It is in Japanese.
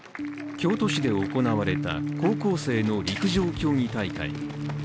京都市で行われた高校生の陸上競技大会。